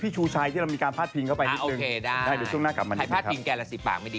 พี่ชูชายที่เรามีการพาดพิงเข้าไปนิดหนึ่งได้นะครับใครพาดพิงแกรสิทธิ์ปากไม่ดี